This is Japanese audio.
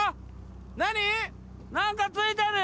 何⁉何かついてるよ！